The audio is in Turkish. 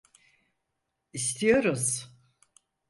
İstiyoruz.